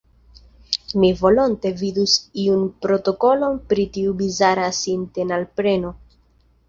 Mi volonte vidus iun protokolon pri tiu bizara sintenalpreno.